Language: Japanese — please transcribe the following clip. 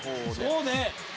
そうね。